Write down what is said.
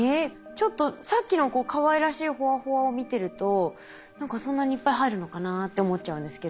ちょっとさっきのかわいらしいほわほわを見てると何かそんなにいっぱい入るのかなって思っちゃうんですけど。